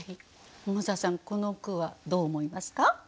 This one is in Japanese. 桃沢さんこの句はどう思いますか？